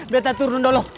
biar saya turun dulu